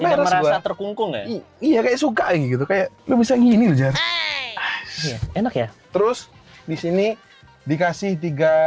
merasa terkungkung ya iya kayak suka gitu kayak lu bisa gini aja enak ya terus disini dikasih tiga